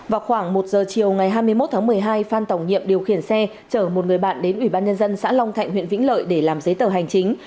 vào khoảng một giờ chiều ngày hai mươi một tháng một mươi hai phan tổng nhiệm điều khiển xe chở một người bạn đến ủy ban nhân dân xã long thạnh huyện vĩnh lợi để làm giấy tờ hành chính